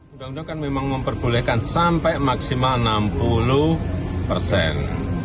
mudah mudahan memang memperbolehkan sampai maksimal enam puluh persen